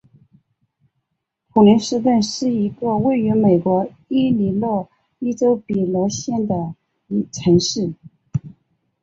普林斯顿是一个位于美国伊利诺伊州比罗县的城市。